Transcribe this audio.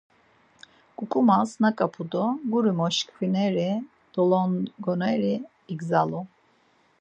Ǩuǩumas naǩap̌u do guri moşkvineri, dolongoneri igzalu.